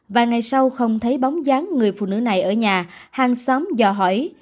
và ngày sau không thấy bóng dáng người phụ nữ này ở nhà hàng xóm dò hỏi